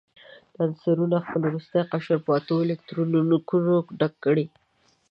دا عنصرونه خپل وروستی قشر په اتو الکترونونو ډک کړي.